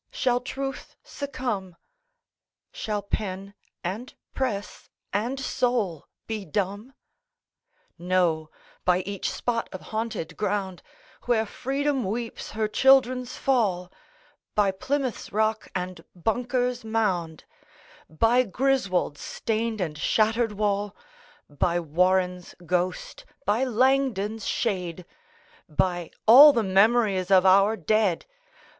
shall Truth succumb? Shall pen, and press, and soul be dumb? No; by each spot of haunted ground, Where Freedom weeps her children's fall; By Plymouth's rock, and Bunker's mound; By Griswold's stained and shattered wall; By Warren's ghost, by Langdon's shade; By all the memories of our dead!